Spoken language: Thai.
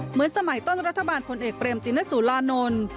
เหมือนสมัยต้นรัฐบาลพลเอกเรมตินสุรานนท์